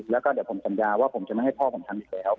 แล้วก็เดี๋ยวผมสัญญาว่าผมจะไม่ให้พ่อผมทำอีกแล้ว